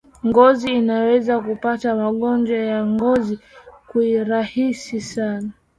ngozi inaweza kupata magonjwa ya ngozi kiurahisi sana